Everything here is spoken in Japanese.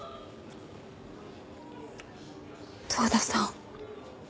遠田さん。